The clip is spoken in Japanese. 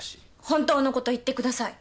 本当のこと言ってください。